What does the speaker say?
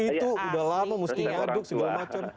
itu udah lama harusnya aduk segala macam